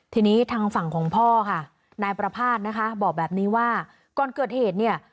ทีนี้ทางฝั่งของพ่อค่ะนายประภาษณ์นะคะบอกแบบนี้ว่าก่อนเกิดเหตุเนี่ย